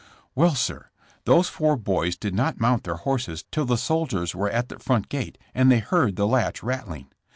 "Well, sir, those four boys did not mount their horses till the soldiers were at the front gate and they heard the latch rattling.